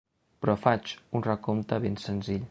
Però faig un recompte ben senzill.